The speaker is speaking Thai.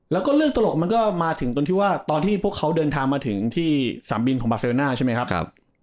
และเรื่องตลกให้รู้ว่าตอนที่พวกเขาเดินทางมาถึงี่ที่บราเซลน่า